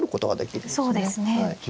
そうですね。